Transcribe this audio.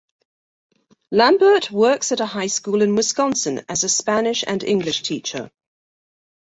Lambert works at a high school in Wisconsin as a Spanish and English teacher.